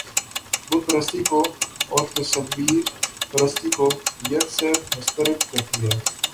بت پرستی کو اور تصویر پرستی کو یک سر مسترد کرتی ہے